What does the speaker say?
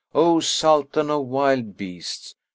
O Sultan of wild beasts!